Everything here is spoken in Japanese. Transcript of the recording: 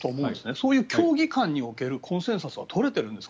そういう競技間におけるコンセンサスは取れてるんですか？